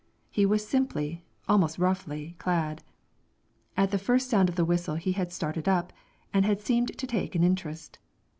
He was simply, almost roughly, clad. At the first sound of the whistle he had started up, and had seemed to take an interest.